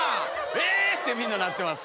⁉え！ってみんななってます。